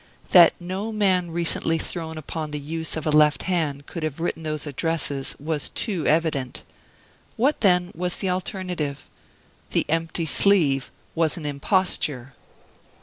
That no man recently thrown upon the use of a left hand could have written those addresses was too evident. What, then, was the alternative? The empty sleeve was an imposture!